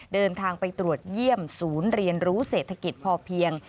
เดินทางไปตรวจเยี่ยมศูนย์เรียนรู้เศรษฐกิจพอเพียง